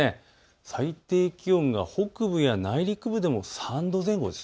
最低気温が北部や内陸部でも３度前後です。